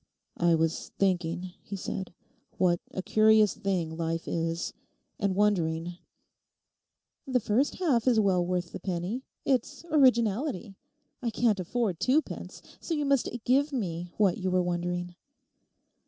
'I was thinking,' he said, 'what a curious thing life is, and wondering—' 'The first half is well worth the penny—its originality! I can't afford twopence. So you must give me what you were wondering.